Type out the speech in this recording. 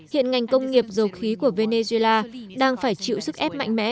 hiện ngành công nghiệp dầu khí của venezuela đang phải chịu sức ép mạnh mẽ